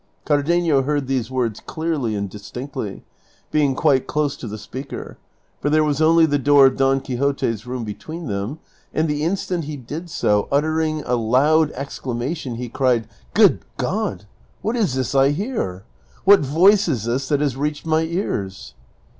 Cardenio heard these words clearly and distinctly, being quite close to the speaker, for there was only the door of Don Quixote's room between them, and the instant he did so, utter ing a loud exclamation he cried, " Good God ! what is this I hear ? What voice is this that has reached my ears